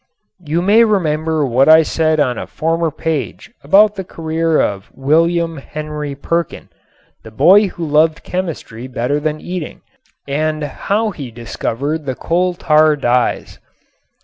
You may remember what I said on a former page about the career of William Henry Perkin, the boy who loved chemistry better than eating, and how he discovered the coal tar dyes.